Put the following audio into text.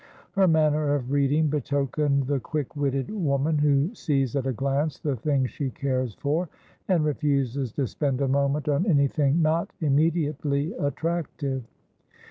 Her manner of reading betokened the quick witted woman who sees at a glance the thing she cares for, and refuses to spend a moment on anything not immediately attractive.